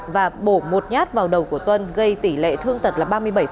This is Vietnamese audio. và bổ một nhát vào đầu của tuân gây tỷ lệ thương tật là ba mươi bảy